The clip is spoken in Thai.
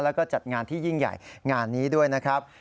แล้วก็จัดงานที่ยิ่งใหญ่งานนี้ด้วยนะครับ